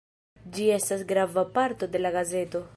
Ĝi estas grava parto de la gazeto.